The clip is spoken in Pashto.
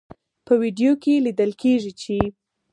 په ویډیو کې لیدل کیږي چې